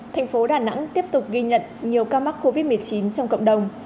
thành phố đà nẵng tiếp tục ghi nhận nhiều ca mắc covid một mươi chín trong cộng đồng